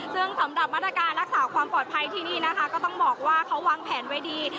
ซึ่งสำหรับมาตรการรักษาความปลอดภัยที่นี่นะคะก็ต้องบอกว่าเขาวางแผนไว้ดี